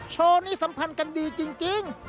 โชว์นี้สัมพันธ์กันดีจริง